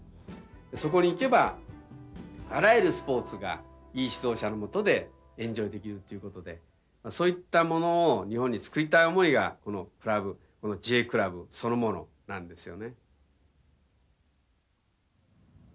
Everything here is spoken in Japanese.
そこに行けばあらゆるスポーツがいい指導者の下でエンジョイできるということでそういったものを日本に作りたい思いがＪクラブそのものなんですよね。